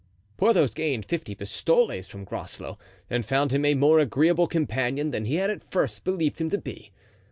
Porthos gained fifty pistoles from Groslow, and found him a more agreeable companion than he had at first believed him to be.